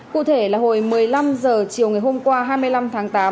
cụ thể là hồi một mươi năm h chiều ngày hôm qua hai mươi năm tháng tám